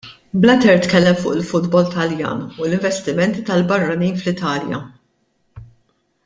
Blatter tkellem fuq il-futbol Taljan u l-investimenti tal-barranin fl-Italja.